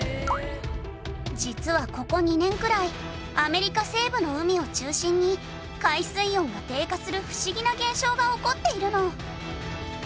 実はここ２年くらいアメリカ西部の海を中心に海水温が低下する不思議な現象が起こっているの。